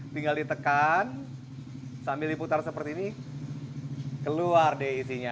tinggal ditekan sambil diputar seperti ini keluar deh isinya